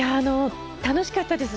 楽しかったです。